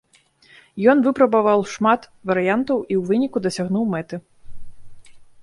Ён выпрабаваў шмат варыянтаў і ў выніку дасягнуў мэты.